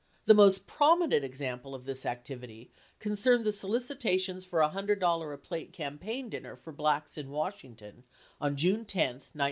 The most prominent example of this activity concerned the solicitations for a $100 a plate campaign dinner for blacks in Washington on June 10, 1972.